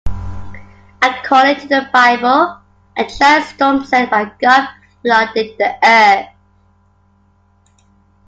According to the Bible, a giant storm sent by God flooded the Earth.